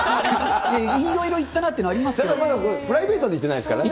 いろいろ行ったなっていうのはあプライベートで行ってないですからね。